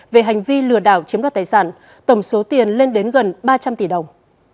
về hành vi lừa đảo chiếm đoạt tài sản tổng số tiền lên đến gần ba trăm linh tỷ đồng